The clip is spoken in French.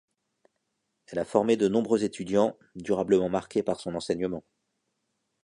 Elle a formé de nombreux étudiants, durablement marqués par son enseignement.